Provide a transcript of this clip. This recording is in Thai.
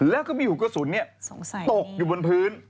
แล้วก็มีหัวกระสุนตกอยู่บนพื้น